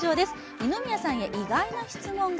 二宮さんへ意外な質問が。